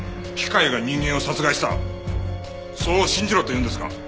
機械が人間を殺害したそれを信じろというんですか？